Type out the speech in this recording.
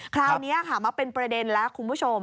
คราวนี้ค่ะมาเป็นประเด็นแล้วคุณผู้ชม